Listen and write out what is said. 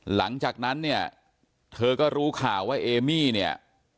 หลังจากนั้นเนี่ยเธอก็รู้ข่าวว่าเอมี่เนี่ย